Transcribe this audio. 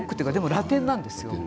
ラテンなんですよ